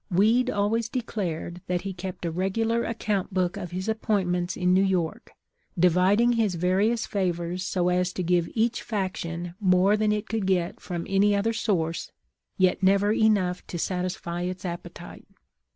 Weed always declared that he kept a regular account book of his appointments in New York, dividing his various favors so as to give each faction more than it could get from any other source, yet never enough to satisfy its appetite.